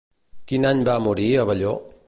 Quin any va morir Abelló?